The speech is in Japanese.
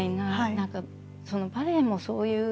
何かバレエもそういう。